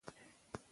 -بیک سمند: